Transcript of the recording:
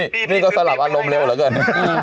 นี่ก็สลับอารมณ์เร็วเหลือเกิน